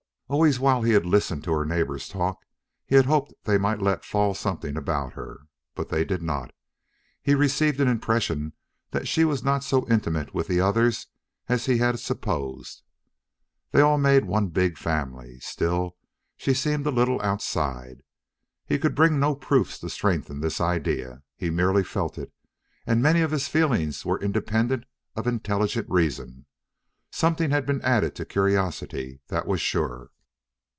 Always while he had listened to her neighbors' talk, he had hoped they might let fall something about her. But they did not. He received an impression that she was not so intimate with the others as he had supposed. They all made one big family. Still, she seemed a little outside. He could bring no proofs to strengthen this idea. He merely felt it, and many of his feelings were independent of intelligent reason. Something had been added to curiosity, that was sure.